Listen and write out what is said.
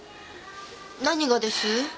何がです？